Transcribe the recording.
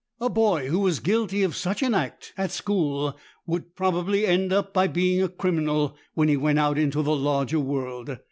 A boy who was guilty of such an act at school would probably end by being a criminal when he went out into the larger world.